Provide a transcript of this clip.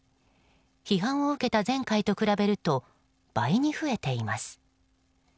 批判を受けた前回と比べると倍に増えています。